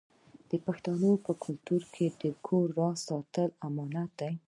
د پښتنو په کلتور کې د کور راز ساتل امانت دی.